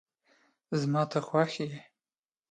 زما ته خوښ یی